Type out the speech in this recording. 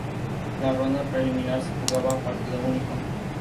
La ronda preliminar se jugaba a partido único.